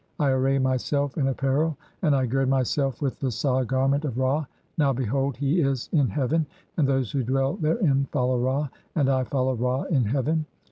I array myself in apparel (36), and I gird "myself with the sa garment of Ra ; now behold, [he is] in "heaven, and those who dwell therein follow Ra, and [I] "follow Ra in heaven.